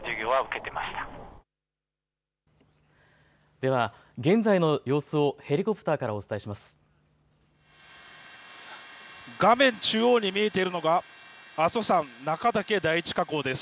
では、現在の様子をヘリコプターからお伝えします。